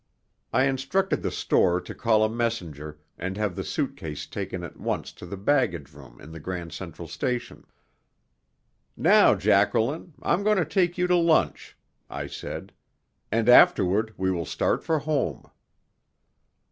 I instructed the store to call a messenger and have the suit case taken at once to the baggage room in the Grand Central station. "Now, Jacqueline, I'm going to take you to lunch," I said. "And afterward we will start for home."